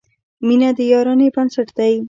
• مینه د یارانې بنسټ دی.